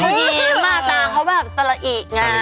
เขายิ้มมาตาเขาแบบสละอิไง